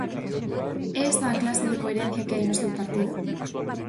É esa a clase de coherencia que hai no seu partido?